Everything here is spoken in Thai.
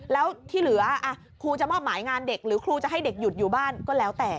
แล้วที่เหลือครูจะมอบหมายงานเด็กหรือครูจะให้เด็กหยุดอยู่บ้านก็แล้วแต่